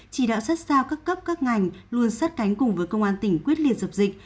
chỉ đạo sát sao các cấp các ngành luôn sát cánh cùng với công an tỉnh quyết liệt dập dịch